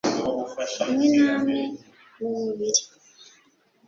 kumwe namwe mu mubiri